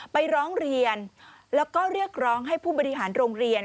ไปร้องเรียนแล้วก็เรียกร้องให้ผู้บริหารโรงเรียน